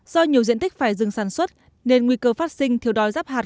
do nhiều diện tích phải dừng sản xuất nên nguy cơ phát sinh thiếu đòi ráp hạt